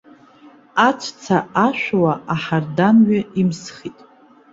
Аҵәца ашәуа аҳардан-ҩы имсхит.